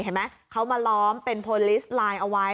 เห็นไหมเขามาล้อมเป็นโพลิสต์ไลน์เอาไว้